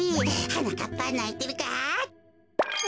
はなかっぱないてるか？